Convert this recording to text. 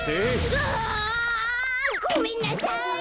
うわ！ごめんなさい！